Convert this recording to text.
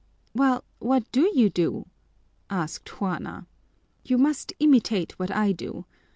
"Well, what do you do?" asked Juana. "You must imitate what I do.